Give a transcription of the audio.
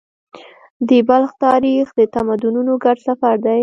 د بلخ تاریخ د تمدنونو ګډ سفر دی.